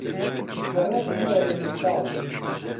گەڕەک پڕە لە منداڵ.